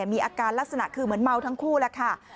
มีอาการลักษณะคือเหมือนเมาทั้งคู่แล้วค่ะ